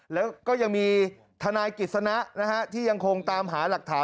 แล้วก็ยังมีทนายกิจสนะที่ยังคงตามหาหลักฐาน